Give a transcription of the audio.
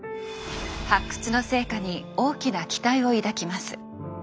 発掘の成果に大きな期待を抱きます。